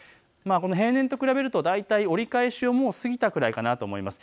平年と比べると大体、折り返しをもう過ぎたくらいかなと思います。